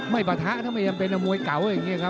ปะทะถ้าไม่จำเป็นมวยเก่าอย่างนี้ครับ